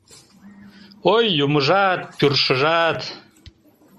Ой, юмыжат, пӱршыжат!